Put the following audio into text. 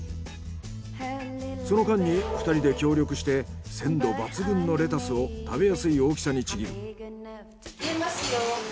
その間に２人で協力して鮮度抜群のレタスを食べやすい大きさにちぎる。